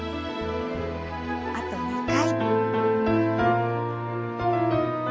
あと２回。